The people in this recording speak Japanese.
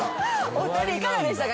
お二人いかがでしたか？